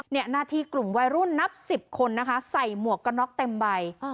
หน้าที่กลุ่มวัยรุ่นนับสิบคนนะคะใส่หมวกกระน็อกเต็มใบ